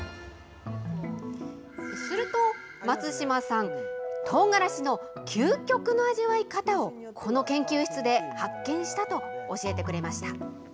すると、松島さん、とうがらしの究極の味わい方をこの研究室で発見したと教えてくれました。